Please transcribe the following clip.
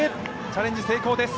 チャレンジ成功です！